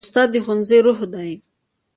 استاد د ښوونځي روح دی.